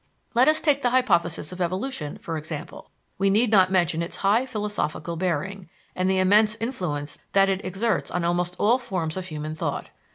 Let us take the hypothesis of evolution, for example: we need not mention its high philosophical bearing, and the immense influence that it exerts on almost all forms of human thought.